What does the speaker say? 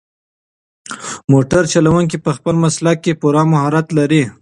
موټر چلونکی په خپل مسلک کې پوره مهارت لري.